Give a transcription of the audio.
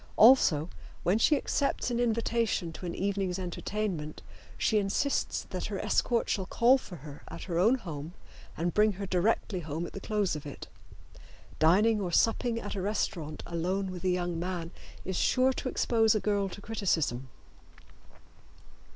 Also when she accepts an invitation to an evening's entertainment she insists that her escort shall call for her at her own home and bring her directly home at the close of it. Dining or supping at a restaurant alone with a young man is sure to expose a girl to criticism.